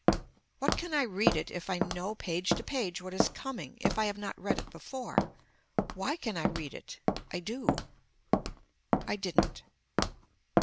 Why can I read it if I know page to page what is coming if I have not read it before. Why can I read it. I do. I didn't.